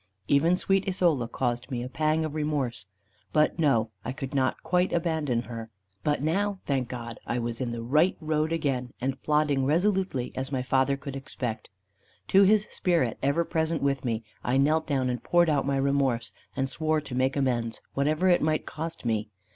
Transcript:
Even sweet Isola caused me a pang of remorse; but no, I could not quite abandon her. But now, thank God, I was in the right road again, and plodding resolutely as my father could expect. To his spirit, ever present with me, I knelt down and poured out my remorse; and swore to make amends, whatever it might cost me.